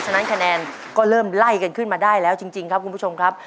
ฉะนั้นคะแนนก็เริ่มไล่กันขึ้นมาได้แล้วจริงครับคุณผู้ชมครับ